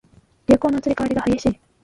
流行の移り変わりが激しい